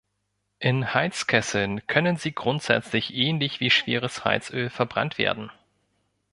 In Heizkesseln können sie grundsätzlich ähnlich wie schweres Heizöl verbrannt werden.